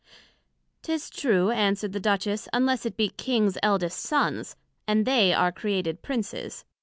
'Tis true, answered the Duchess, unless it be Kings Eldest sons, and they are created Princes.